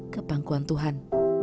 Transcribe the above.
ke pangkuan tuhan